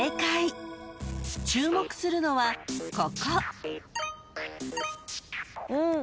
［注目するのはここ］